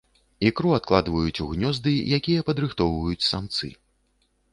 Ікру адкладваюць у гнёзды, якія падрыхтоўваюць самцы.